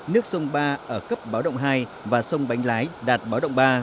nước sông ba ở cấp báo động hai và sông bánh lái đạt báo động ba